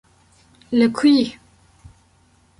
li ku yî